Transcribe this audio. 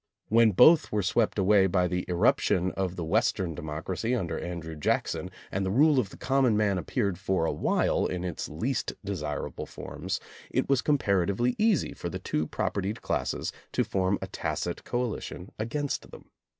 When both were swept away by the irruption of the Western democracy under An drew Jackson and the rule of the common man appeared for awhile in its least desirable forms, it was comparatively easy for the two propertied classes to form a tacit coalition against them.